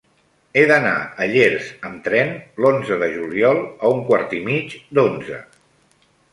He d'anar a Llers amb tren l'onze de juliol a un quart i mig d'onze.